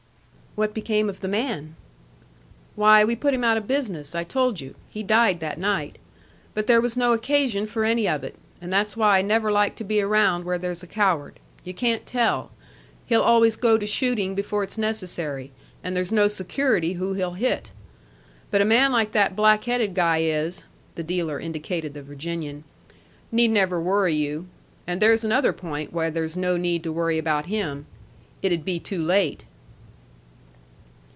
"What became of the man?" "Why, we put him out of business, I told you. He died that night. But there was no occasion for any of it; and that's why I never like to be around where there's a coward. You can't tell. He'll always go to shooting before it's necessary, and there's no security who he'll hit. But a man like that black headed guy is (the dealer indicated the Virginian) need never worry you. And there's another point why there's no need to worry about him: IT'D BE TOO LATE."